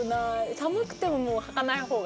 寒くてももうはかない方がいい。